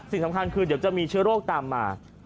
สิ่งสำคัญคือเดี๋ยวจะมีเชื้อโรคตามมา